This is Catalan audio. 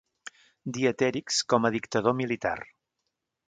Dieterichs, com a dictador militar.